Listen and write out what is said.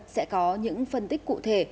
sẽ có những phân tích cụ thể